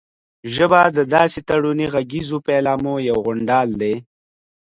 ژبه د داسې تړوني غږیزو پيلامو یو غونډال دی